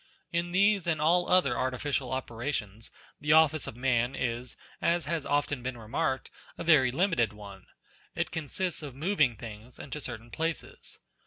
In these and all other artificial operations the office of man is, as has often been remarked, a very limited one ; it consists in moving things into certain places.